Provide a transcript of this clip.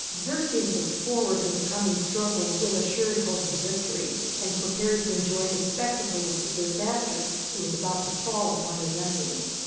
Xerxes looked forward to the coming struggle with assured hope of victory, and prepared to enjoy the spectacle of the disaster that was about to fall upon his enemies.